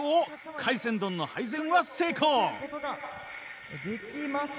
海鮮丼の配膳は成功！